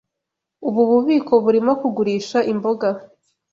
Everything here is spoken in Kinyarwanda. Ubu bubiko burimo kugurisha imboga.